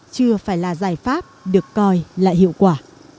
chưa phải là giải pháp được coi là hiệu quả